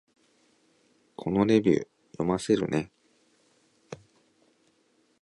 このレビュー、読ませるね